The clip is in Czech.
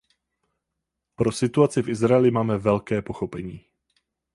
Pro situaci v Izraeli máme velké pochopení.